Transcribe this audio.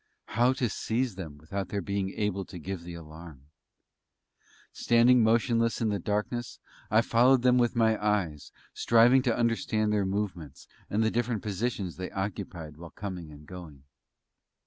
How to seize them without their being able to give the alarm?... Standing motionless in the darkness, I followed them with my eyes, striving to understand their movements, and the different positions they occupied while coming and going.